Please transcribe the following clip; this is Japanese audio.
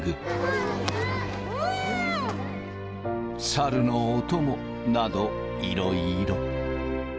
猿のお供などいろいろ。